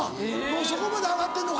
もうそこまで上がってんのか。